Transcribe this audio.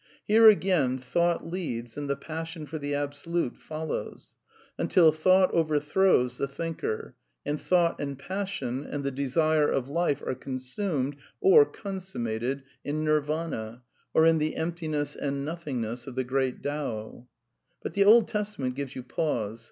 Here again, thought leads and the ^ passion for the Absolute follows ; until thought overthrowar^ the thinker; and thought and passion, and the desire of Life are consumed (or consummated) in Nirvana, or in the " Emptiness and Nothingness '' of the Great Tao. But the Old Testament gives you pause.